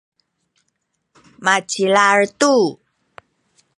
macilal tu.